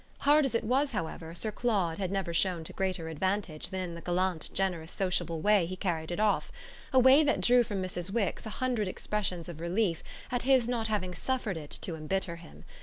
Hard as it was, however, Sir Claude had never shown to greater advantage than in the gallant generous sociable way he carried it off: a way that drew from Mrs. Wix a hundred expressions of relief at his not having suffered it to embitter him.